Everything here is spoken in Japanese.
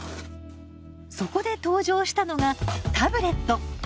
そこで登場したのがタブレット。